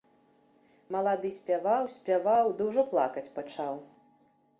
Малады спяваў, спяваў, ды ўжо плакаць пачаў.